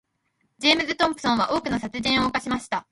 ジェームズトムプソンは数多くの殺人を犯しました。